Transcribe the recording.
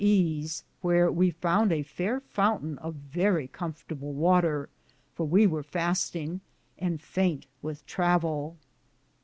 ease, wheare we founde a fayre fountaine of verrie com fortable water, for we weare fastinge, and faynte with travell.